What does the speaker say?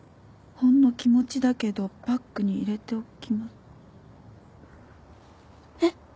「ほんの気持ちだけどバッグに入れておきます」えっ。